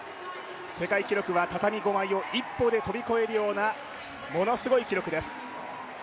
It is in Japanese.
世界記録は畳５枚を一歩で跳び越えるようなものすごい記録です。